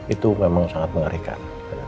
itu memang sangat mengerikan